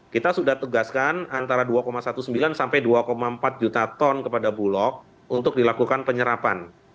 kita sudah tugaskan antara dua sembilan belas sampai dua empat juta ton kepada bulog untuk dilakukan penyerapan